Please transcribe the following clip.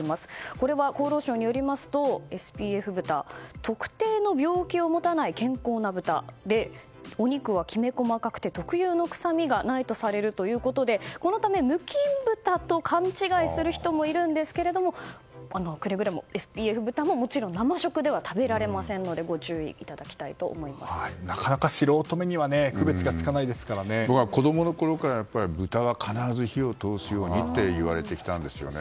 これは、厚労省によりますとＳＰＦ豚というのは特定の病気を持たない健康な豚でお肉はきめ細かくて特有のくさみがないとされるということでこのため無菌豚と勘違いする人もいるんですけれどもくれぐれもＳＰＦ豚も生食では食べられないのでなかなか素人目には僕は、子供のころから豚は必ず火を通すようにって言われてきたんですよね。